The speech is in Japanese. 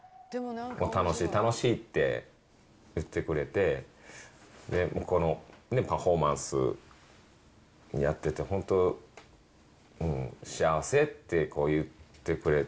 楽しい楽しいって言ってくれて、パフォーマンスやってて、本当、幸せって言ってくれて。